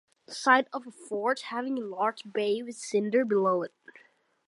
The site of a forge having a large bay with cinder below it.